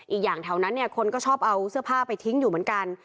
อีกอย่างแถวนั้นเนี่ยคนก็ชอบเอาเสื้อผ้าไปทิ้งอยู่เหมือนกัน